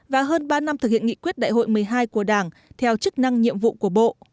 và hơn ba năm thực hiện nghị quyết đại hội một mươi hai của đảng theo chức năng nhiệm vụ của bộ